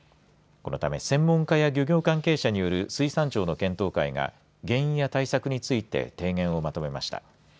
このため専門家や漁業関係者による水産庁の検討会が原因や対策について提言をまとめました。